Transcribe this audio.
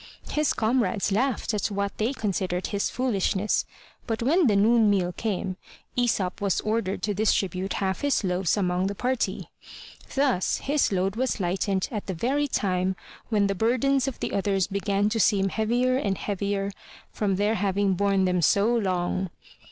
His comrades laughed at what they considered his foolishness, but when the noon meal came Aesop was ordered to distribute half his loaves among the party. Thus his load was lightened at the very time when the burdens of the others began to seem heavier and heavier from their having borne them so long.